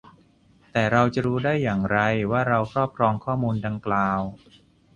แต่เราจะรู้ได้อย่างไร ว่าเราครอบครองข้อมูลดังกล่าว ?